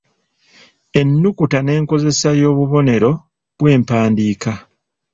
Ennukuta n’enkozesa y’obubonero bw’empandiika.